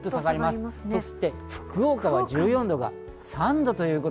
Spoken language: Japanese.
そして福岡が１４度が３度。